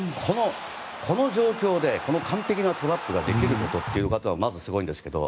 この状況で、この完璧なトラップができる方ということはまずすごいんですけど。